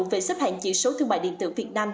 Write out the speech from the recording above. về xếp hạng chỉ số thương mại điện tử việt nam